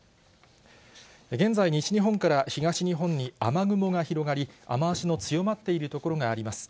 現在、西日本から東日本に雨雲が広がり、雨足の強まっている所があります。